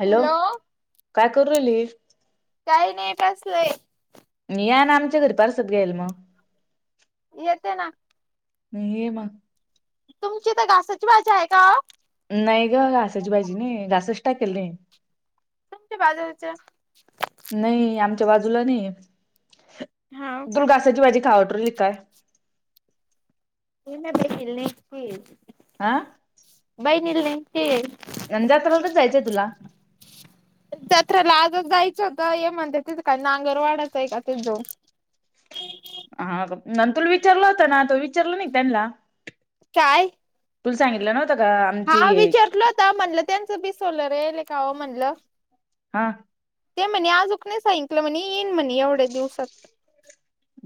Hello! काय करू राहली कायी नायी बसलेय या ना आमच्या घरी परसाद घ्यायला मग येते ना ये मग तुमच्या इथं घासाची भाजी हाय का वो? नायी ग घासाची भाजी नायीये, घासच टाकेल नायीये बाजुला [inaudible] नायी आमच्या बाजूला नाहीये हाव का तुला घासाची भाजी खाव वाटु राहीली का काय? ते विचार [unintelligible] [inaudible] आ बाई ला जत्रालाच जायचंय तुला [unintelligible] [inaudible] जत्राला आजच जायचं होतं, हे म्हणत्यात तिथ काय नांगर वाडायचाय का तिथं जाऊन हा न तुला विचारलं होता ना त्यो विचारलं नायी का त्यांना? काय? तुला सांगितलं नव्ह नव्हत काम? हा विचारलं होतं म्हटल त्याच बी सोलर येयलय हा ते म्हणे आजुक नायी सांगितलं, म्हणे येईन म्हणे एवढ्या दिवसात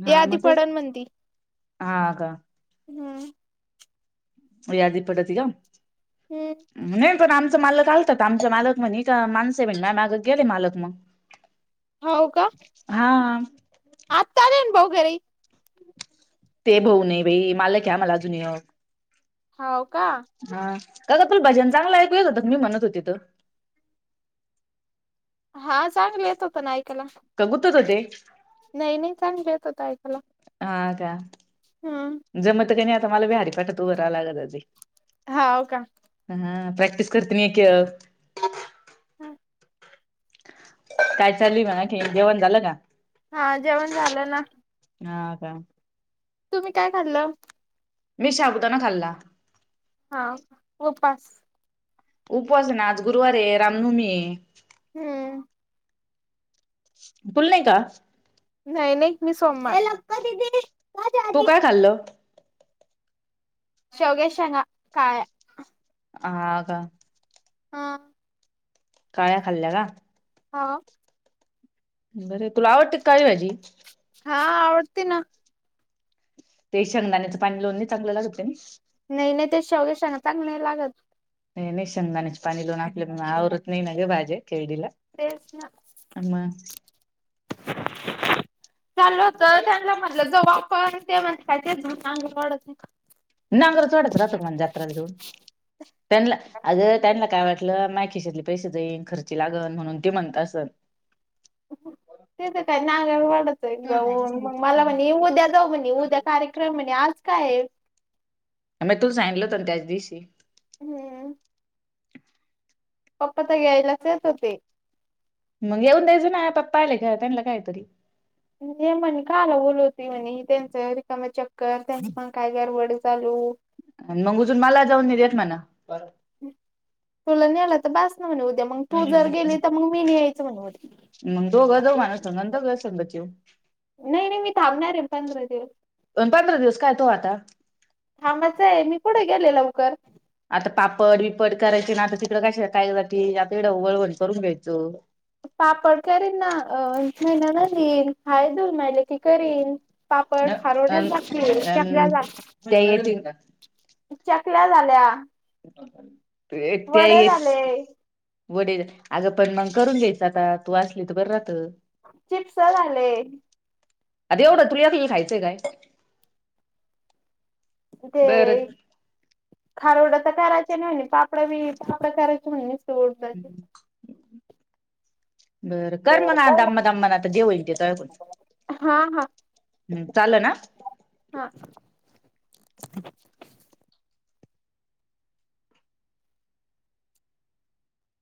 हा यादी म तेच, पडन म्हणती हा का? हम्म यादी पडती ग, हम्म नायी पण आमचं मालक आलतं आमचा मालक म्हणे का माणस भेटेना गेले मालक मग हो का? हा आता आले ना भाऊ घरी ते भाऊ नयी बाई, मालकय आम्हाला एक हाव का? हा का ग तुला भजन चांगला ऐकू येत होतं मी म्हणत होते तर [inaudible] हां चांगल, येत होत ना, ऐकायला. क, गुतत ते? नहीं-नहीं चांगल, येत होत ऐकायला. हां का, हम्म जमत क नही, आता माला बी हरीपाटात, उभं राह लागत, [unintelligible] अजे हाव, का? हं, प्रॅक्टिस करते, मी एक येळ काय चालू य म आखिन, जेवण झालं का? हां, जेवण झालं ना. हां का? तुम्ही काय, खाल्लं? मी, शाबुदाना खाल्ला. हां, उपास. उपास ना, आज गुरुवार ये, रामनवमी ये. हम्म. तुल नही का, आज? नाही- नाही, मी सोमवार तू काय खल्लं? शेवग्याच्या शेंगा, काळ्या. हा का? हा. काळ्या, खाल्या का? हा. बर, तुला आवडते क, काळी भाजी? हां, आवडती ना. ते शेंगदाण्याचं पाणी, लावून नही चांगलं लागतं, त्यानी? नही ना, त्या शेवग्याच्या शेंगा, चांगल्या नही लागत. नई-नई, शेंगदाण्याचे पाणी लावून, आपलं मं आवरत नही ना, ग भाजे केरडीला. तेच ना. म चालल होत, त्यांनल म्हनलं, जाउ आपण, ते म्हणता [unintelligible] ते चांगल वाढत नहीं. नांगरच वढायचा राहतो क, म्हना जत्राला जाऊन, त्यांनला अगं त्यांना काय वाटलं, माय खिशतले पैशे जाईन, खर्ची लागन, म्हणून ते म्हणत असल. तीत काय, नांगर ओढतं जाऊन, मंग माला म्हणी उद्या जाउ म्हणी, उद्या कार्य क्रम आणि आज काय ये? म्मे, तूच सांगितलंत ना, त्याच दिवशी हम्म. पप्पा त घ्यायलाच, येत होते. मग येऊन द्यायचं ना, पप्पाले त्योया, त्यांना कायतरी ते म्हणे, काला बोलवती म्हणी, त्यांच रिकाम चक्कर, त्यांचं पण, काय गरबड चालू अन, मंग उजून, माला जाऊन, नई देत म्हणा तुला ने्लं त, बास ना, म्हण उद्या, मंग तू जर गेली, त मग मी नई, यायचं म उद् मंग दोघ-दोघं न संगन, दोघं संगच येऊ. नहीं-नहीं, मी थांबणार ये न, पंधरा दिवस. अन, पंधरा दिवस काय ये, तो आता? थांबायच आहे, मी कुठे गेले लवकर? आता पापड विपड करायचे ना आता तिकडं कशाला काय जाती आता इकडं वाळवण करून घ्यायचं. पापड करीन ना महिना भर येईन हाय दोन माय, लेकी करीन. अ पापड, अ खारवड्या टाकिन अ ते आपल्याला त्या येतील चकल्या झाल्या. तु एकटी वडे आहेस झाले की? वडे अगं पण मग करून घ्यायच आता तू असली तर बर राहत. चिप्स झाले. आता एवढं तुला ऐकलीला खायचं हाय काय? ते बरं खारवड्या तर करायच नाही पापड बी पापड करायचे म्हटले बी उडदाचे. बरं कर मग आता दमान, दमान आता जे होईल तेे आता कर. हा हा हम्म, चालन आ‌. हा.